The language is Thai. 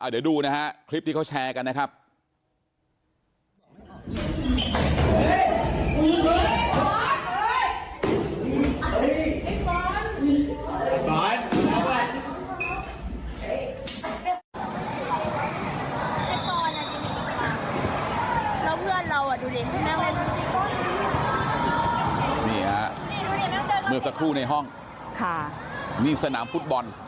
เดี๋ยวดูนะฮะคลิปที่เขาแชร์กันนะครับ